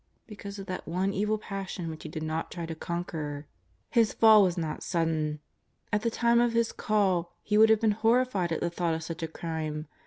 Because of that one evil passion w^hich he did not try to conquer. His fall was not sudden. At the time of his call he would have been horrified at the thought of such a crime.